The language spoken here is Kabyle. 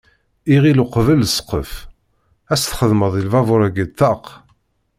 Iɣil uqbel ssqef, ad s-txedmeḍ i lbabur-agi ṭṭaq.